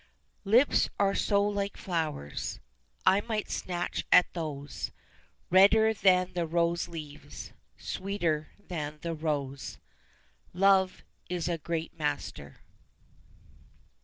"Lips are so like flowers I might snatch at those Redder than the rose leaves, Sweeter than the rose." "Love is a great master."